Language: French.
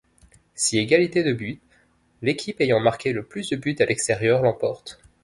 Si égalité de but, l'équipe ayant marquée le plus de but à l'extérieur l'emporte.